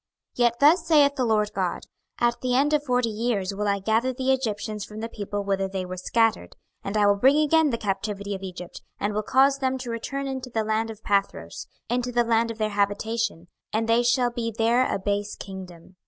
26:029:013 Yet thus saith the Lord GOD; At the end of forty years will I gather the Egyptians from the people whither they were scattered: 26:029:014 And I will bring again the captivity of Egypt, and will cause them to return into the land of Pathros, into the land of their habitation; and they shall be there a base kingdom.